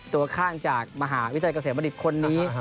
ตัวข้างจากมหาวิทยาลัยเกษมณฑิตคนนี้